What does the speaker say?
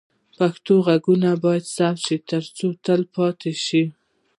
پښتو غږونه باید ثبت شي ترڅو تل پاتې شي.